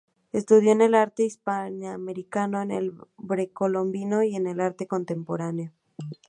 Estudió el arte hispanoamericano, el precolombino y el arte contemporáneo.